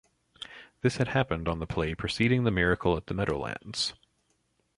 This had happened on the play preceding The Miracle at the Meadowlands.